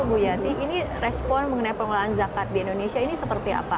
bu yanti ini respon mengenai pengelolaan zakat di indonesia ini seperti apa